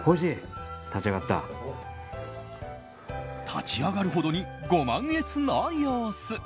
立ち上がるほどにご満悦な様子。